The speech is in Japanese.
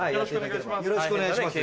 よろしくお願いします。